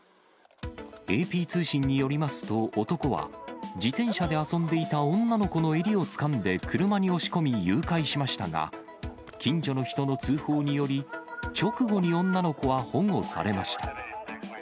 ＡＰ通信によりますと、男は、自転車で遊んでいた女の子の襟をつかんで車に押し込み誘拐しましたが、近所の人の通報により、直後に女の子は保護されました。